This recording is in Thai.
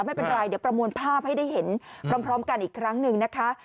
ไม่เป็นไรเดี๋ยวประมวลภาพให้ได้เห็นพร้อมกันอีกครั้งหนึ่งนะคะ